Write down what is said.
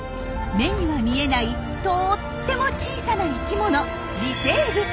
目には見えないとっても小さな生きもの微生物。